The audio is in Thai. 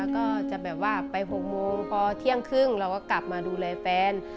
ก็จะแบบว่าไป๖โมงพอเที่ยงครึ่งเราก็กลับมาดูแลแฟน